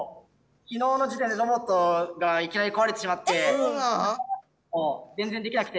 昨日の時点でロボットがいきなり壊れてしまって全然できなくて。